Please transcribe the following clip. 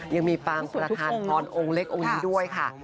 ยังมีปางประธานพรองค์เล็กองค์นี้ด้วยค่ะ